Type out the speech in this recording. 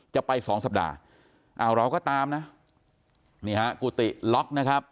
จะไปสองสัปดาห์อ้าวเราก็ตามนะนี่ฮะกุฏิล็อกนะครับ